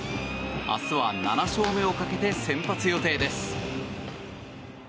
明日は７勝目をかけて先発予定です。